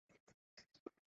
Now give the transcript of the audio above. আমি Miss Huberman.